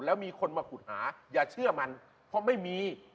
แล้วมีคนมาขุดหาอย่าเชื่อมันเพราะไม่มี